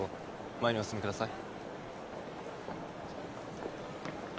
前にお進みください。